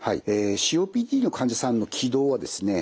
ＣＯＰＤの患者さんの気道はですね